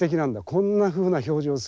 こんなふうな表情するんだ。